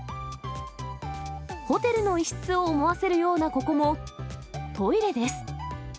ホテルの一室を思わせるようなここも、トイレです。